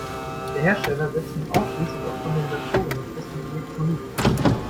Der Hersteller setzt nun ausschließlich auf Kondensatoren mit festem Elektrolyt.